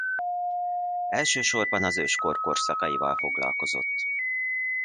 Elsősorban az őskor korszakaival foglalkozott.